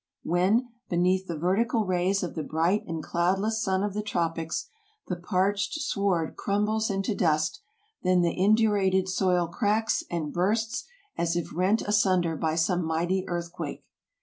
When, beneath the vertical rays of the bright and cloud less sun of the tropics, the parched sward crumbles into dust, then the indurated soil cracks and bursts as if rent asunder by some mighty earthquake.